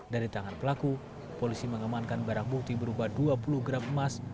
dari tangan pelaku polisi mengamankan barang bukti berupa dua puluh gram emas